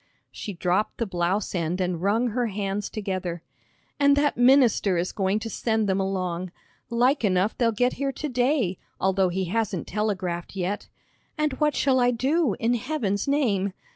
She dropped the blouse end and wrung her hands together. "And that minister is going to send them along. Like enough they'll get here to day, although he hasn't telegraphed yet. And what shall I do, in Heaven's name!"